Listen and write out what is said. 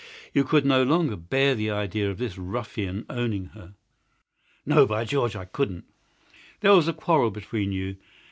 You could no longer bear the idea of this ruffian owning her." "No, by George, I couldn't!" "There was a quarrel between you.